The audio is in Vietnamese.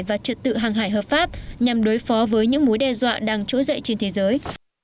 và trật tự hàng hải hợp pháp nhằm đối phó với những mối đe dọa đang trỗi dậy trên thế giới